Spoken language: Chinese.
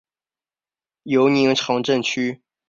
尤宁城镇区。